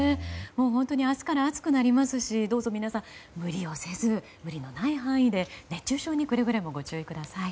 本当に明日から暑くなりますしどうぞ皆さん無理のない範囲で熱中症にくれぐれもご注意ください。